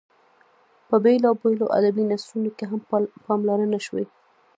په بېلابېلو ادبي نثرونو کې هم پاملرنه شوې.